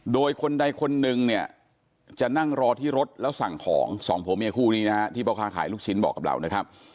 โดยคนใดคนนึงเนี่ยจะนั่งรอที่รถแล้วสั่งของสองผัวเมียคู่นี้นะฮะที่พ่อค้าขายลูกชิ้นบอกกับเรานะครับ